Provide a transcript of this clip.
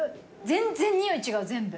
全然匂い違う全部。